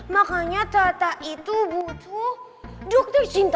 makanya tata itu butuh dokter cinta